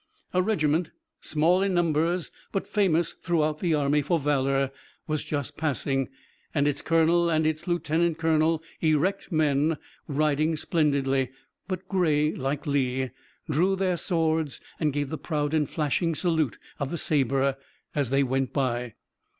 A regiment, small in numbers but famous throughout the army for valor, was just passing, and its colonel and its lieutenant colonel, erect men, riding splendidly, but gray like Lee, drew their swords and gave the proud and flashing salute of the saber as they went by.